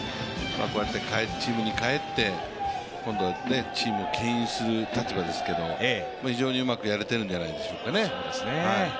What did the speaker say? こうやってチームに帰って今度はチームをけん引する立場ですけれども非常にうまくやれているんじゃないでしょうかね。